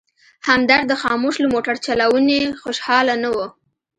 همدرد د خاموش له موټر چلونې خوشحاله نه و.